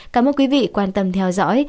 cảm ơn quý vị quan tâm theo dõi